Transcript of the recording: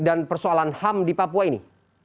dan persoalan ham di papua ini